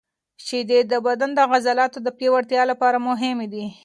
شیدې د بدن د عضلاتو د پیاوړتیا لپاره مهمې دي.